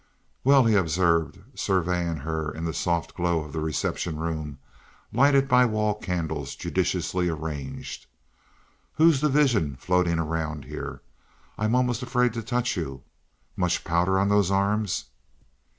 "Well!" he observed, surveying her in the soft glow of the reception room lighted by wall candles judiciously arranged. "Who's the vision floating around here? I'm almost afraid to touch you. Much powder on those arms?"